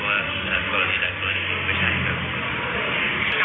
ถึงอย่างที่ทำก่อเวลานะครับไม่ได้ทำแบบกรณีแดดตัวอย่างเดียว